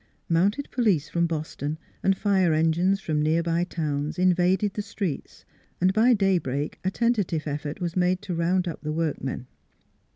Mounted police from Boston and fire engines from near by towns invaded the streets, and by daybreak a tentative effort was made to round up the workmen.